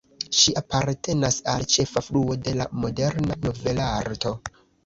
Ŝi apartenas al ĉefa fluo de la moderna novelarto.